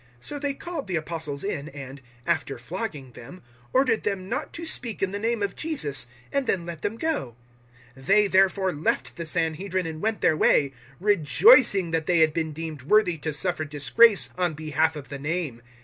So they called the Apostles in, and after flogging them ordered them not to speak in the name of Jesus, and then let them go. 005:041 They, therefore, left the Sanhedrin and went their way, rejoicing that they had been deemed worthy to suffer disgrace on behalf of the NAME.